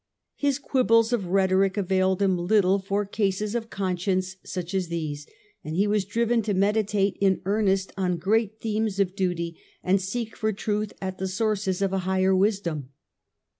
His quibbles of rhetoric availed him little for cases of conscience such as these, and he was driven to meditate in earnest on great themes of duty, and seek for truth at the sources of a higher wisdom.